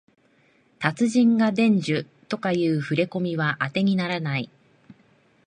達人が伝授とかいうふれこみはあてにならない